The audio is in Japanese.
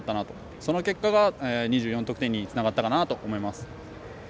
その結果が２４得点につながったかなと思います。